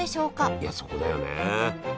いやそこだよね。